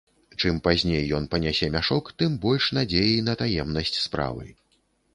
Чым пазней ён панясе мяшок, тым больш надзеі на таемнасць справы.